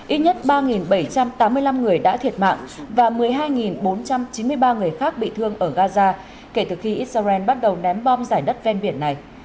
ít nhất ba bảy trăm tám mươi năm người đã thiệt mạng và một mươi hai bốn trăm chín mươi ba người khác bị thương ở gaza kể từ khi israel bắt đầu ném bom giải đất ven biển này